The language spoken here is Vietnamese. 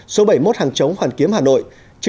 số bảy mươi một hàng chống hoàn kiếm hà nội